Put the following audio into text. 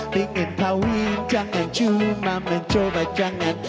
pengen kawin jangan cuma mencoba jangan